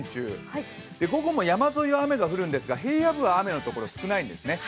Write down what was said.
午後も山沿いは雨が降るんですが、平野部は雨のところが少ないんですね。